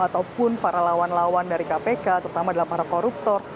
ataupun para lawan lawan dari kpk terutama adalah para koruptor